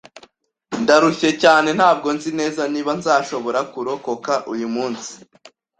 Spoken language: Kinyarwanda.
Ndarushye cyane. Ntabwo nzi neza niba nzashobora kurokoka uyu munsi.